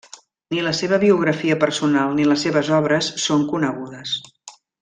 Ni la seva biografia personal ni les seves obres són conegudes.